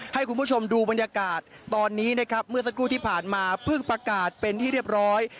ให้คุณผู้ชมดูบรรยากาศตอนนี้นะครับเมื่อสักครู่ที่ผ่านมาเพิ่งประกาศเป็นที่เรียบร้อย